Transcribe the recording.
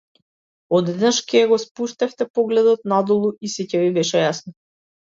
Одеднаш ќе го спуштевте погледот надолу и сѐ ќе ви беше јасно.